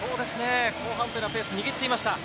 後半はペースを握っていました。